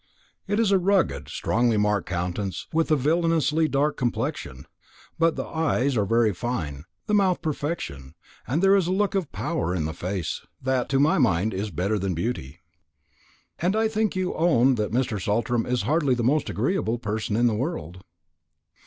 It is a rugged, strongly marked countenance with a villanously dark complexion; but the eyes are very fine, the mouth perfection; and there is a look of power in the face that, to my mind, is better than beauty." "And I think you owned that Mr. Saltram is hardly the most agreeable person in the world."